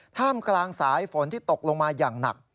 ท่ามกลางสายฝนที่ตกลงมาอย่างหนัก